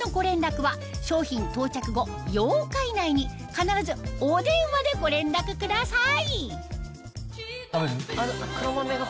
必ずお電話でご連絡ください